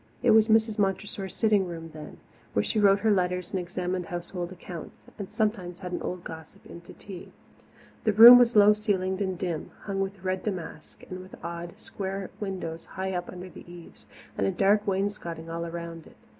It was Mrs. Montressor's sitting room then, where she wrote her letters and examined household accounts, and sometimes had an old gossip in to tea. The room was low ceilinged and dim, hung with red damask, and with odd, square windows high up under the eaves and a dark wainscoting all around it.